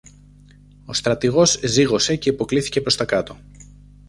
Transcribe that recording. Ο στρατηγός ζύγωσε και υποκλίθηκε ως κάτω.